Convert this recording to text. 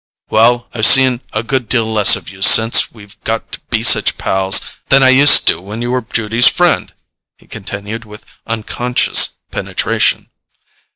"Well, I've seen a good deal less of you since we've got to be such pals than I used to when you were Judy's friend," he continued with unconscious penetration.